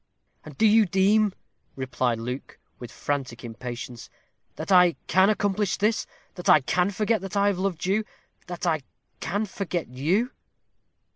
"And do you deem," replied Luke, with frantic impatience, "that I can accomplish this; that I can forget that I have loved you; that I can forget you?